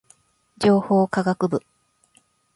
情報科学部